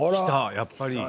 やっぱり。